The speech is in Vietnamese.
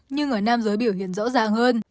nhưng ở nam giới biểu hiện rõ ràng hơn